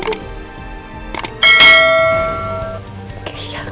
kalau nanti kamu masuk kelamas lagi